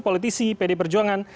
politisi pd perjuangan